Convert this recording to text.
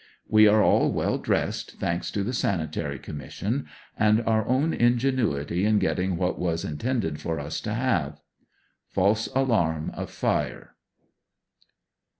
We are all well dressed, thanks to the Sanitary Commission and our own ingenuity in getting what was intended for us to have. False alarm of fire.